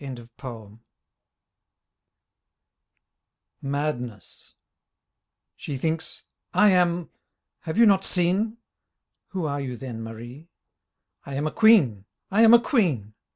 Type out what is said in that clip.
34 MADNESS She thinks: I am — Have you not seen? Who are you then, Marie? I am a Queen, I am a Queen